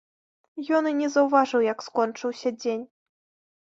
Ён і не заўважыў, як скончыўся дзень.